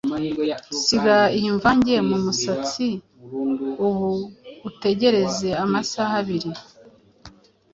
Siga iyi mvange mu musatsi ubundi utegereze amasaha abiri